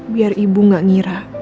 biar ibu gak ngira